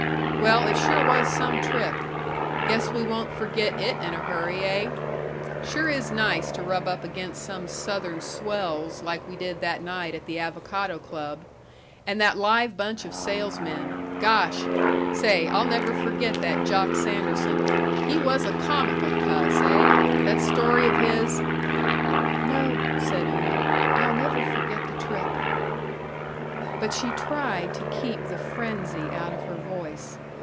Well, it sure was some trip. Guess we won't forget it in a hurry, eh? Sure is nice to rub up against some Southern swells like we did that night at the Avocado Club. And that live bunch of salesmen. Gosh! Say, I'll never forget that Jock Sanderson. He was a comical cuss, eh? That story of his " "No," said Una, "I'll never forget the trip." But she tried to keep the frenzy out of her voice.